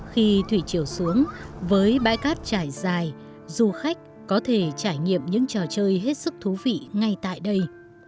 khi thủy chiều xuống với bãi cát trải dài du khách có thể trải nghiệm những trò chơi hết sức thú vị ngay tại đây